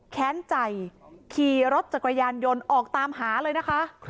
แค้นใจขี่รถจักรยานยนต์ออกตามหาเลยนะคะ